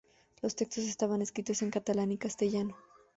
Los textos estaban escritos en catalán y castellano.